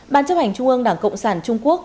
ban chấp hành trung ương đảng cộng sản trung quốc